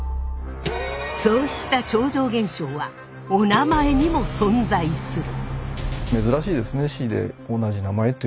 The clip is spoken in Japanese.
そうした超常現象はおなまえにも存在する。